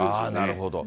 なるほど。